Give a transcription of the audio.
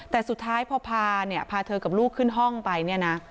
แต่สุดท้ายพอพาเนี่ยพาเธอกับลูกขึ้นห้องไปเนี่ยนะ